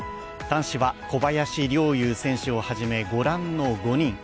男子は小林陵侑選手をはじめ、ご覧の５人。